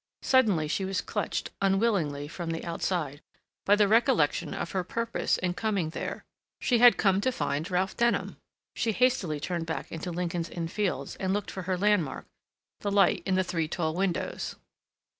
Suddenly she was clutched, unwilling, from the outside, by the recollection of her purpose in coming there. She had come to find Ralph Denham. She hastily turned back into Lincoln's Inn Fields, and looked for her landmark—the light in the three tall windows.